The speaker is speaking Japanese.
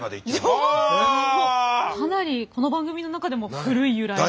かなりこの番組の中でも古い由来に。